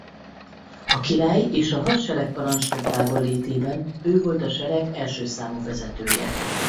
A király és a hadseregparancsnok távollétében ő volt a sereg első számú vezetője.